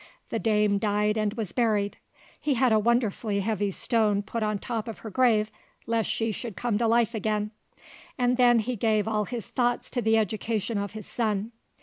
The dame died and was buried. He had a wonderfully heavy stone put on the top of her grave, lest she should come to life again; and then he gave all his thoughts to the education of his son.